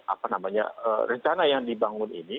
apa namanya rencana yang dibangun ini